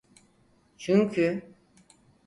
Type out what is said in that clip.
Çünkü...